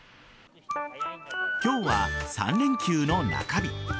今日は３連休の中日。